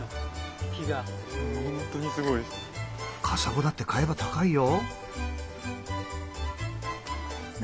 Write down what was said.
カサゴだって買えば高いよ。